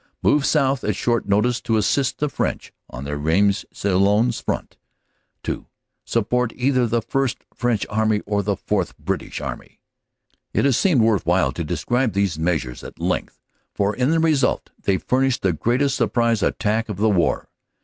Move south at short notice to assist the French on the Rheims Soissons front. 20 CANADA S HUNDRED DAYS "2. Support either the First French Army or the Fourth British Army." It has seemed worth while to describe these measures at length for in their result they furnished the greatest surprise attack of the war.